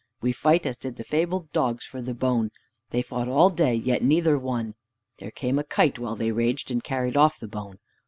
We fight as did the fabled dogs for the bone. They fought all day, yet neither won. There came a kite while they raged, and carried off the bone.